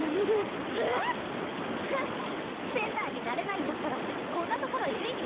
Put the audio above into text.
センターになれないんだったらこんなところいる